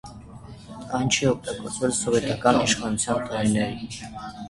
Այն չի օգտագործվել սովետական իշխանության տարիներին։